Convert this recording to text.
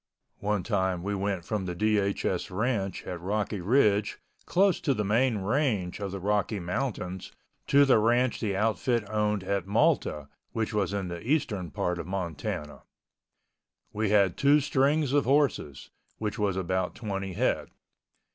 One time we went from the DHS ranch at Rocky Ridge close to the main range of the Rocky Mountains to the ranch the outfit owned at Malta, which was in the eastern part of Montana. We had two strings of horses, which was about twenty head.